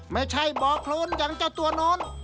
ไม่ใช่บอคโลนอย่างเจ้าตัวโน๊ต